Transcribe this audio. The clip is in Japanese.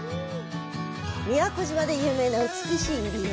宮古島で有名な美しい入江。